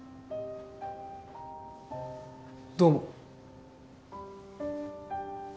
どうも。